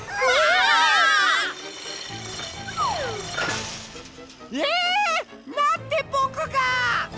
あぷ！え！？なんでぼくが！？